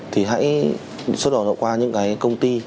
thì hãy xuất khẩu đạo qua những công ty